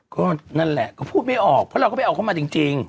ก็นั่นแหละก็พูดไม่ออกเพราะเราก็ไปเอาเขามาจริง